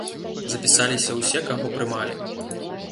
Запісаліся ўсе, каго прымалі.